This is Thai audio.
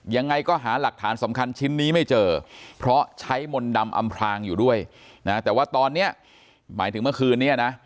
ยังไงก็หาหลักฐานสำคัญชิ้นนี้ไม่เจอเพราะใช้มนต์ดำอำพลางอยู่ด้วยนะแต่ว่าตอนนี้หมายถึงเมื่อคืนนี้นะ